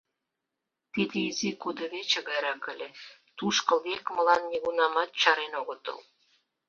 Тиде изи кудывече гайрак ыле, тушко лекмылан нигунамат чарен огытыл.